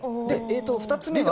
２つ目は。